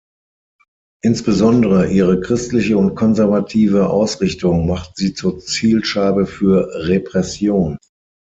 Insbesondere ihre christliche und konservative Ausrichtung machten sie zur Zielscheibe für Repression.